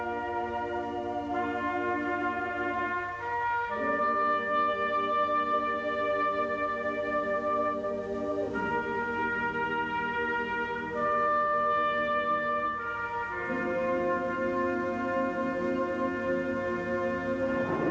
โรงพยาบาลวิทยาศาสตรี